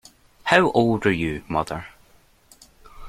How old are you, mother.